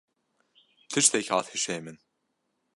Tiştek hat hişê min.